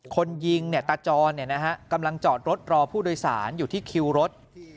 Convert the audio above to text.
คนยิงตาจรกำลังจอดรถรอผู้โดยสารอยู่ที่คิวรถ